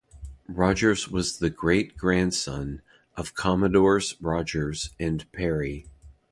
Rodgers was the great-grandson of Commodores Rodgers and Perry.